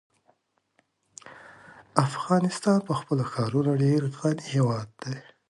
افغانستان په خپلو ښارونو ډېر غني هېواد دی.